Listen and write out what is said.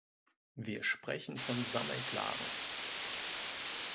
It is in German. Wir sprechen von Sammelklagen.